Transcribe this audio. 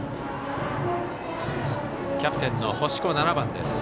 キャプテンの星子、７番。